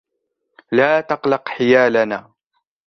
لا تقلق حيالنا.